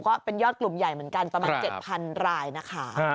ก็เป็นยอดกลุ่มใหญ่เหมือนกันประมาณ๗๐๐รายนะคะ